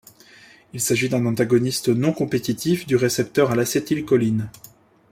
Il s'agit d'un antagoniste non-compétitif du récepteur à l'acétylcholine.